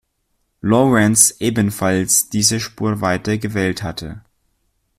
Lawrence ebenfalls diese Spurweite gewählt hatte.